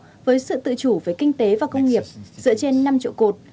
châu âu với sự tự chủ về kinh tế và công nghiệp dựa trên năm trụ cột